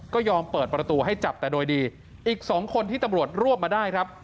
ก็ยอมเปิดประตูให้จับแต่โดยดีอีกสองคนที่ตำรวจรวบมาได้ครับ